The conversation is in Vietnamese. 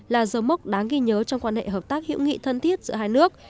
là dấu mốc đáng ghi nhớ trong quan hệ hợp tác hữu nghị thân thiết giữa hai nước